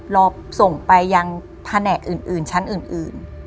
รอส่งไปยังแผนกอื่นชั้นอื่น